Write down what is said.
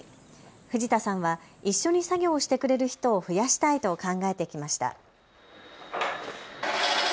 藤田さんは一緒に作業をしてくれる人を増やしたいと考えてきました。